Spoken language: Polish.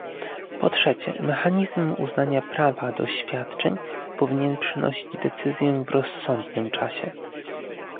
Po trzecie, mechanizm uznania prawa do świadczeń powinien przynosić decyzję w rozsądnym czasie